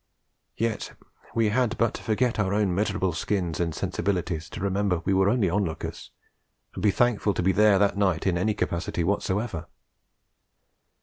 Yet we had but to forget our own miserable skins and sensibilities, to remember we were only on lookers, and be thankful to be there that night in any capacity whatsoever.